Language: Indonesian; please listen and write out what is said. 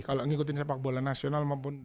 kalau ngikutin sepak bola nasional maupun